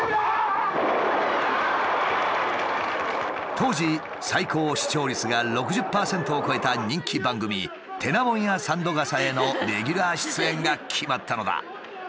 当時最高視聴率が６０％を超えた人気番組「てなもんや三度笠」へのレギュラー出演が決まったのだ。